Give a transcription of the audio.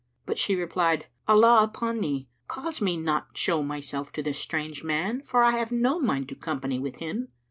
But she replied, "Allah upon thee, cause me not show myself to this strange man, for I have no mind to company with him."